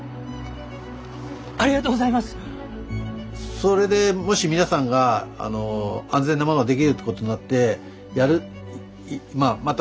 それでもし皆さんがあの安全なものができるってことになってまあまた